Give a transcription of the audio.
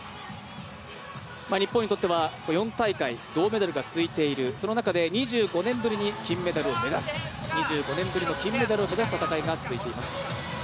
日本にとっては４大会銅メダルが続いているその中で、２５年ぶりに金メダルを目指す戦いが続いています。